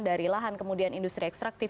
dari lahan kemudian industri ekstraktif